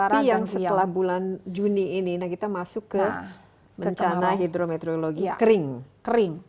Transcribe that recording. tapi yang setelah bulan juni ini kita masuk ke bencana hidrometeorologi kering